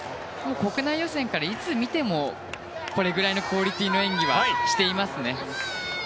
国内予選からいつ見てもこれくらいのクオリティーの演技はしていますね。